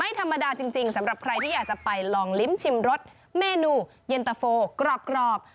ไม่ธรรมดาจริงสำหรับใครที่อยากจะไปลองลิ้มชิมรสเมนูเย็นตะโฟกรอบ